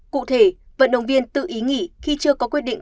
cụ thể vận động viên tự ý nghỉ khi chưa có quyết định